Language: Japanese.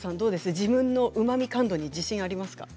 自分のうまみ感度には自信がありますか。